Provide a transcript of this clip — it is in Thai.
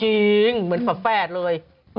จริงเหมือนฝอแฟสเลย